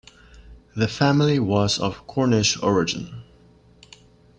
The family was of Cornish origin.